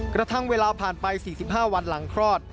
กระทั่งเวลาผ่านไป๔๕วันหลังคลอด